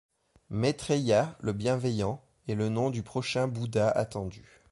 Maitreya, le Bienveillant, est le nom du prochain Bouddha attendu.